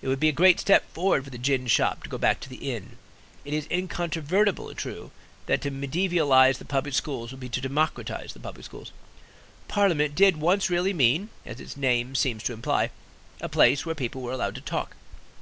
It would be a great step forward for the gin shop to go back to the inn. It is incontrovertibly true that to mediaevalize the public schools would be to democratize the public schools. Parliament did once really mean (as its name seems to imply) a place where people were allowed to talk.